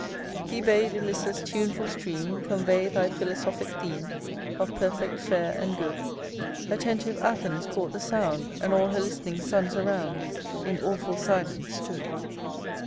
XI. He bad Ilyssus' tuneful stream Convey thy philosophic theme Of perfect, fair, and good: Attentive Athens caught the sound, And all her list'ning sons around In awful silence stood.